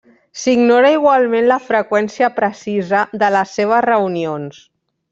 S'ignora igualment la freqüència precisa de les seves reunions.